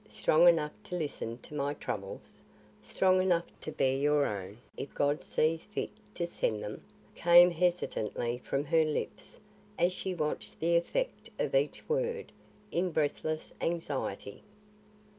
Strong enough to listen to my troubles; strong enough to bear your own if God sees fit to send them?" came hesitatingly from her lips as she watched the effect of each word, in breathless anxiety.